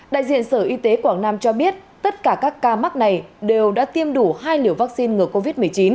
đại diện sở y tế quảng nam cho biết tất cả các ca mắc này đều đã tiêm đủ hai liều vaccine ngừa covid một mươi chín